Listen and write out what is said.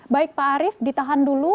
baik pak arief ditahan dulu